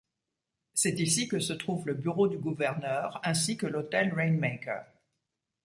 C'est ici que se trouve le bureau du gouverneur ainsi que l'hôtel Rainmaker.